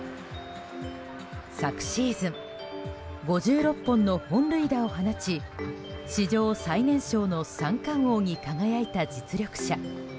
昨シーズン５６本の本塁打を放ち史上最年少の三冠王に輝いた実力者。